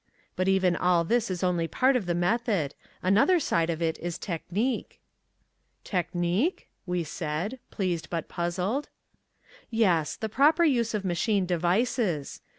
But even all this is only part of the method. Another side of it is technique." "Technique?" we said, pleased but puzzled. "Yes, the proper use of machine devices.